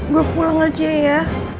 gue pulang aja ya